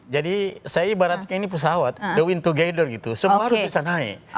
jadi saya ibaratnya ini pesawat the win together gitu semua harus bisa naik